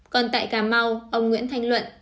còn tại cà mau ông nguyễn thanh luận